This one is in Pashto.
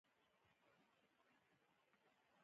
ترموز د وجود تودوخه لوړوي.